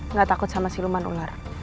nggak takut sama siluman ular